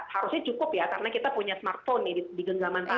harusnya cukup ya karena kita punya smartphone ya di genggaman tangan